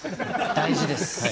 大事です。